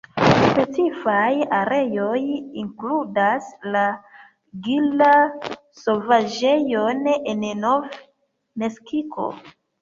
Specifaj areoj inkludas la Gila-Sovaĝejon en Nov-Meksiko.